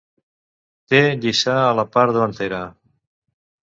Té lliça a la part davantera.